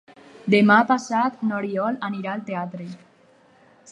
Demà passat n'Oriol anirà al teatre.